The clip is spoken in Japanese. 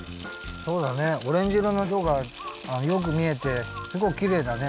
そうだねオレンジいろのいろがよくみえてすごくきれいだね。